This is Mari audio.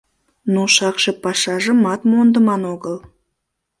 Но шакше пашажымат мондыман огыл.